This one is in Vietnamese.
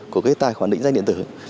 của tài khoản định danh điện tử